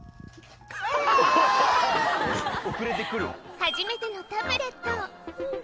初めてのタブレット。